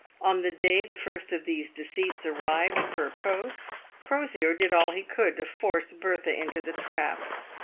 On the day the first of these deceits arrived per post, Crosier did all he could to force Bertha into the trap.